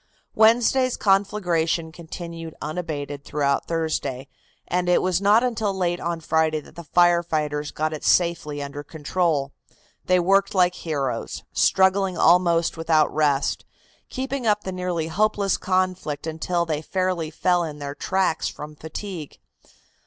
Wednesday's conflagration continued unabated throughout Thursday, and it was not until late on Friday that the fire fighters got it safely under control. They worked like heroes, struggling almost without rest, keeping up the nearly hopeless conflict until they fairly fell in their tracks from fatigue.